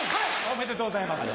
おめでとうございます。